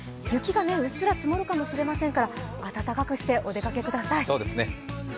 雪がうっすら積もるかもしれませんから暖かくしてお出かけください。